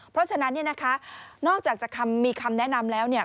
เพราะฉะนั้นเนี่ยนะคะนอกจากจะมีคำแนะนำแล้วเนี่ย